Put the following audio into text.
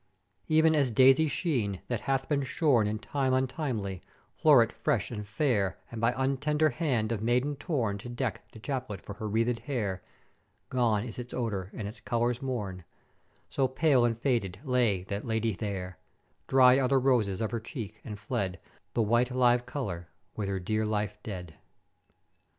"E'en as Daisy sheen, that hath been shorn in time untimely, floret fresh and fair, and by untender hand of maiden torn to deck the chaplet for her wreathèd hair; gone is its odor and its colours mourn; So pale and faded lay that Ladye there; dried are the roses of her cheek, and fled the white live color, with her dear life dead.